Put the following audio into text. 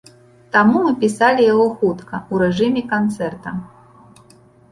Таму мы пісалі яго хутка, у рэжыме канцэрта.